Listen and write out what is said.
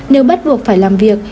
nếu bắt buộc phải làm việc